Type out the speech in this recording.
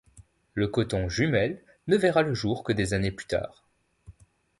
Le coton Jumel ne verra le jour que des années plus tard.